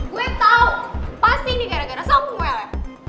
gue tahu pasti ini gara gara samuel ya